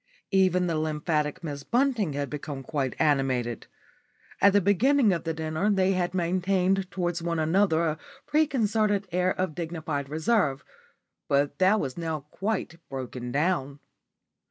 Even the lymphatic Miss Bunting had become quite animated. At the beginning of the dinner they had maintained towards one another a pre concerted air of dignified reserve, but that was now quite broken down.